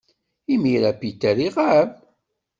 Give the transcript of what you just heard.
Imir-a, Peter iɣab.